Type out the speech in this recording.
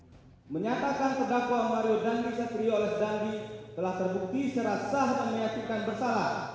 menyatakan kedakwaan mario dendi setelah terbukti secara sahat menyatukan bersalah